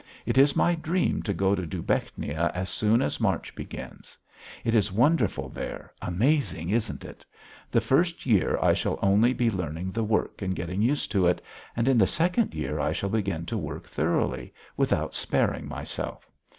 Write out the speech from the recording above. It is my dream to go to Dubechnia as soon as March begins. It is wonderful there, amazing; isn't it? The first year I shall only be learning the work and getting used to it, and in the second year I shall begin to work thoroughly, without sparing myself.